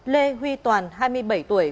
lê huy toàn hai mươi bảy tuổi